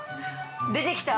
出て来た？